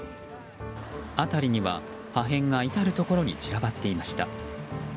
辺りには破片が至るところに散らばっていました。